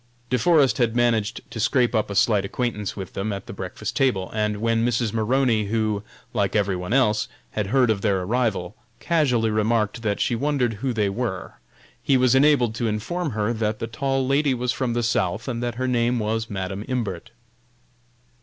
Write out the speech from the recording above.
De Forest had managed to scrape up a slight acquaintance with them at the breakfast table, and when Mrs. Maroney, who, like everyone else, had heard of their arrival, casually remarked that she wondered who they were, he was enabled to inform her that the tall lady was from the South and that her name was Madam Imbert.